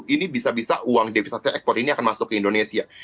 ini bisa bisa uang devisasi ekspor ini akan masuk ke indonesia